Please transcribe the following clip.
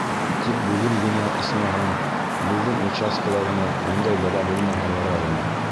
Тик бөгөн генә, исмаһам, беҙҙең участкала ғына ундай бәлә булмаһа ярар ине.